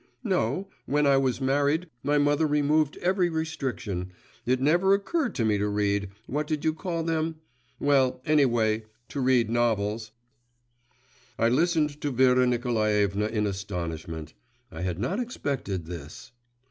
'No; when I was married, my mother removed every restriction; it never occurred to me to read what did you call them?… well, anyway, to read novels.' I listened to Vera Nikolaevna in astonishment. I had not expected this.